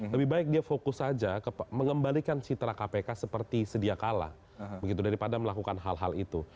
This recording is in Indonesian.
lebih baik dia fokus saja mengembalikan citra kpk seperti sedia kala begitu daripada melakukan hal hal itu